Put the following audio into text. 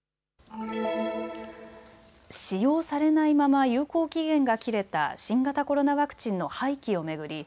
使用されないまま有効期限が切れた新型コロナワクチンの廃棄を巡り